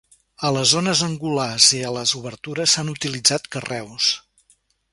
A les zones angulars i a les obertures s'han utilitzat carreus.